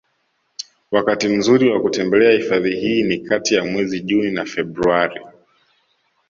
Wakati mzuri wa kutembelea hifadhi hii ni kati ya mwezi Juni na Februari